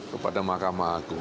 kepada makam agung